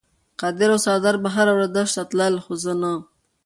قادر او سردار به هره ورځ درس ته تلل خو زه نه.